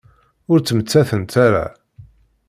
Ur ttmettatent ara.